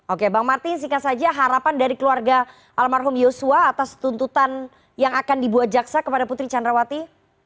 oke bang martin singkat saja harapan dari keluarga almarhum yosua atas tuntutan yang akan dibuat jaksa kepada putri candrawati